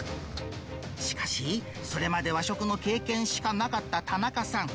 しかし、それまで和食の経験しかなかった田中さん。